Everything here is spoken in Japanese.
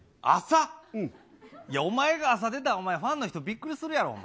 いや、お前が朝出たら、ファンの人、びっくりするやろ、お前。